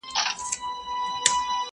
خُمار مي د عمرونو میکدې ته وو راوړی،